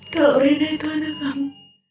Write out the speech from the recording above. kalau rindu itu anak kamu